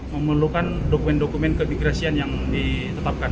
memerlukan dokumen dokumen keimigrasian yang ditetapkan